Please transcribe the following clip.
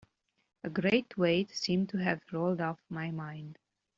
A great weight seemed to have rolled off my mind.